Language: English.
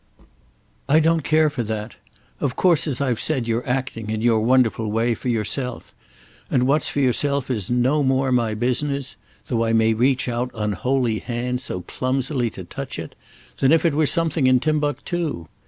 "I don't care for that. Of course, as I've said, you're acting, in your wonderful way, for yourself; and what's for yourself is no more my business—though I may reach out unholy hands so clumsily to touch it—than if it were something in Timbuctoo.